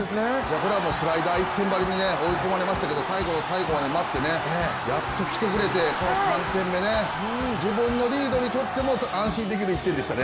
これはもうスライダー一点張りで追い込まれましたけど最後の最後まで待ってやっときてくれて３点目ね、自分のリードにとっても安心できる１点でしたね。